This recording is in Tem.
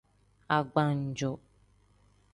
Agbanjo.